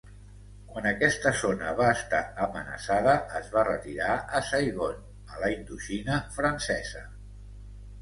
Quan aquesta zona va estar amenaçada, es va retirar a Saigon, a la Indoxina francesa.